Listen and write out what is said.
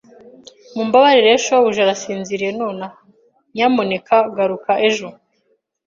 Mumbabarire, shobuja arasinziriye nonaha. Nyamuneka garuka ejo.